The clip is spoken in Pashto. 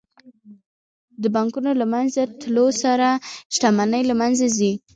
د بانکونو له منځه تلو سره شتمني له منځه ځي